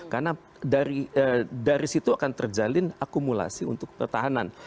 karena dari situ akan terjalin akumulasi untuk pertahanan